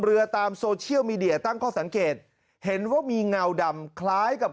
ตามโซเชียลมีเดียตั้งข้อสังเกตเห็นว่ามีเงาดำคล้ายกับ